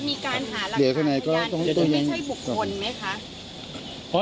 จะมีการหารักษาของแม่ค้าที่ไม่ใช่บุคคลไหมครับ